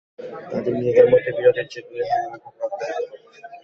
তাঁদের নিজেদের মধ্যে বিরোধের জের ধরেই হামলার ঘটনা ঘটে থাকতে পারে।